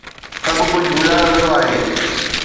سڀ ڪجهه ملايو ويو آهي.